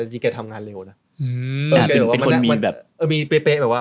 แต่ทำงานคือเร็ว